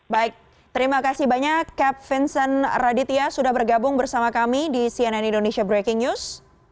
baik terima kasih banyak cap vincent raditya sudah bergabung bersama kami di cnn indonesia breaking news